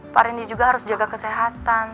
pak rendy juga harus jaga kesehatan